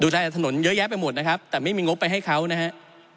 ที่เราจะต้องลดความเหลื่อมล้ำโดยการแก้ปัญหาเชิงโครงสร้างของงบประมาณ